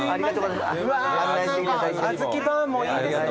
うわあずきバーもいいですね。